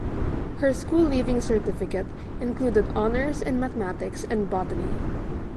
Her school Leaving Certificate included honours in mathematics and botany.